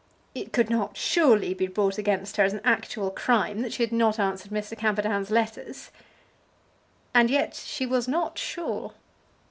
It could not, surely, be brought against her as an actual crime that she had not answered Mr. Camperdown's letters? And yet she was not sure.